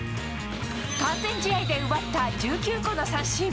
完全試合で奪った１９個の三振。